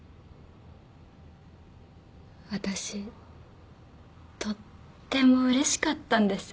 私とってもうれしかったんです。